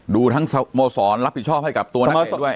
ดูทั้งสโมสรรับผิดชอบให้กับตัวนักเตะด้วย